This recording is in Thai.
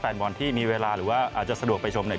แฟนบอลที่มีเวลาหรือว่าอาจจะสะดวกไปชมเนี่ย